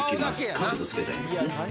角度つけたいんですね。